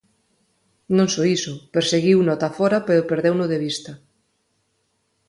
Non só iso, perseguiuno ata fóra pero perdeuno de vista.